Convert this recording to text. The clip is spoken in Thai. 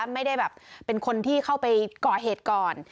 ไม่ได้แบบเป็นคนที่เข้าไปก่อเหตุก่อน